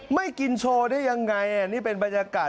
ไม่กินโชว์ได้ยังไงนี่เป็นบรรยากาศ